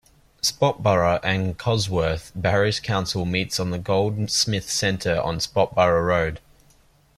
Sprotbrough and Cusworth Parish Council meets at the Goldsmith Centre on Sprotbrough Road.